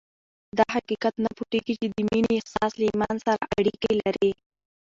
دا حقیقت نه پټېږي چې د مینې احساس له ایمان سره اړیکې لري